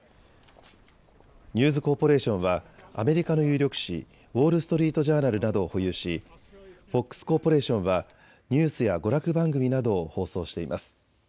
ニューズ・コーポレーションはアメリカの有力紙、ウォール・ストリート・ジャーナルなどを保有しフォックス・コーポレーションはニュースや娯楽番組などを放送しています。